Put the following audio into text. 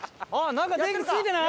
なんか電気ついてない？